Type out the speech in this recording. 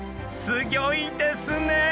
すギョいですね！